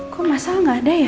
kok mas al gak ada ya